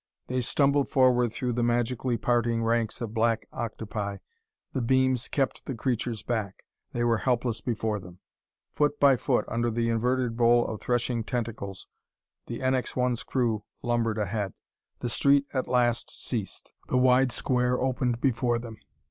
They stumbled forward through the magically parting ranks of black octopi. The beams kept the creatures back; they were helpless before them. Foot by foot under the inverted bowl of threshing tentacles the NX 1's crew lumbered ahead. The street at last ceased; the wide square opened before them.